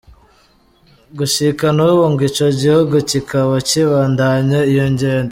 Gushika n'ubu ngo ico gihugu kikaba kibandanya iyo ngendo.